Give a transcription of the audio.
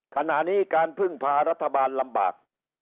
ขณะนี้การพึ่งพารัฐบาลลำบาก